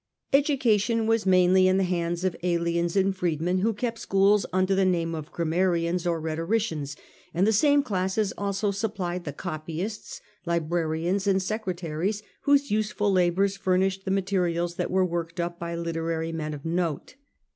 Education was mainly in the hands of aliens and freedmen, who kept schools under the name of gram marians or rhetoricians, and the same classes also sup plied the copyists, librarians, and secretaries whose useful labours furnished the materials that were worked up by literary men of note.